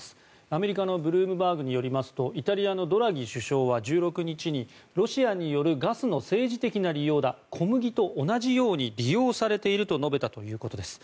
アメリカのブルームバーグによりますとイタリアのドラギ首相は１６日にロシアによるガスの政治的な利用だ小麦と同じように利用されていると述べたということです。